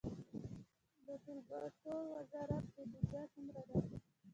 د ټولګټو وزارت بودیجه څومره ده؟